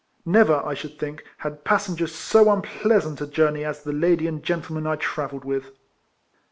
Never, I should think, had passengers so unpleasant a jour ney as the lady and gentleman I travelled with.